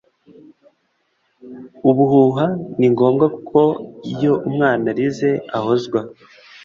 ubuhuha ni ngombwa ko iyo umwana arize ahozwa.